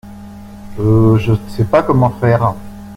Heu... Je ne sais pas comment faire.